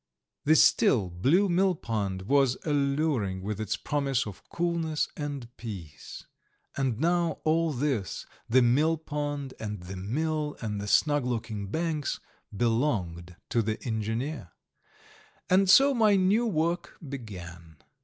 The still, blue millpond was alluring with its promise of coolness and peace. And now all this the millpond and the mill and the snug looking banks belonged to the engineer! And so my new work began.